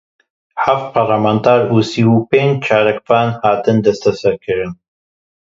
Heft parlamenter û sih û penc çalakvan hatin desteserkirin.